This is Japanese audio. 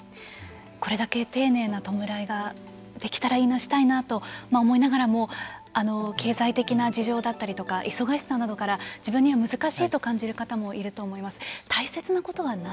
これだけ丁寧な弔いができたらいいなしたらいいなと思いながらも経済的な事情だったりとか忙しさなどから自分には難しいと感じる方もいると思います。